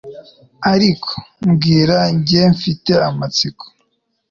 aliko mbwira jye mfite amatsiko